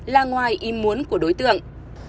là ngoài im muốn của đối tượng